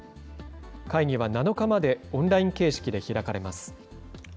会議は７日までオンライン形式で開かれます。